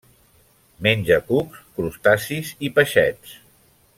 Menja cucs, crustacis i peixets.